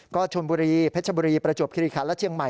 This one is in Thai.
ก็ชนบุรีเพชรบุรีประจวบคิริคันและเชียงใหม่